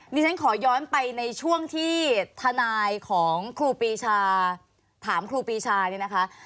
ดิฉันขอย้อนไปในช่วงที่ทนายของครูปีชาถามครูปีชาเนี่ยนะคะ